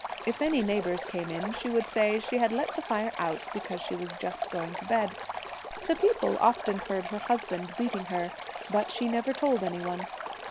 If any neighbours came in she would say she had let the fire out because she was just going to bed. The people about often heard her husband beating her, but she never told any one.